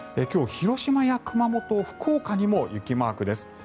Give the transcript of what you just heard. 今日、広島や熊本、福岡にも雪マークです。